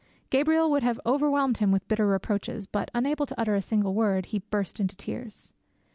Gabriel would have overwhelmed him with Bitter reproaches, but, unable to utter a single word, he burst into tears.